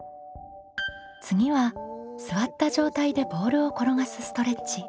次は座った状態でボールを転がすストレッチ。